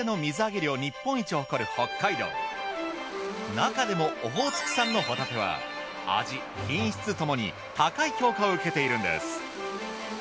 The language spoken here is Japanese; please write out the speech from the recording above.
なかでもオホーツク産のほたては味・品質ともに高い評価を受けているんです。